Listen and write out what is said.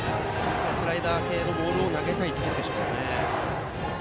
スライダー系のボールを投げたいところです。